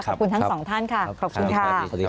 ขอบคุณทั้งสองท่านค่ะขอบคุณค่ะ